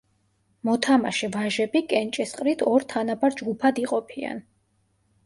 მოთამაშე ვაჟები კენჭისყრით ორ თანაბარ ჯგუფად იყოფიან.